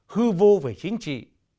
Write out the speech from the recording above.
hư vô về chính trị